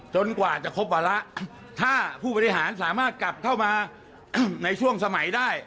จนกว่าจะครบวัละถ้าผู้พฤหารกลับเข้ามาในช่วงสมัยได้